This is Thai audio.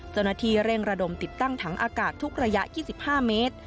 เจ้าหน้าที่เร่งระดมติดตั้งถังอากาศทุกระยะ๒๕เมตร